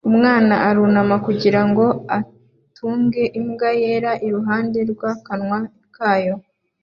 Umwana arunama kugira ngo atunge imbwa yera iruhande rw'akanwa kayo